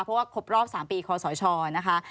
เพราะว่าครบรอบ๓ปีคอสชนะคะ